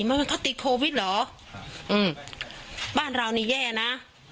มันก็ติดโควิดเหรออืมบ้านเรานี่แย่นะ